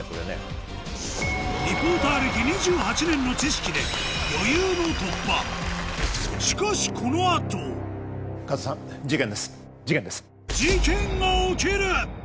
リポーター歴２８年の知識でしかしこの後加藤さん。が起きる！